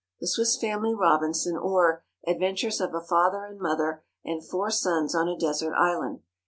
The Swiss Family Robinson; or, Adventures of a Father and Mother and Four Sons on a Desert Island.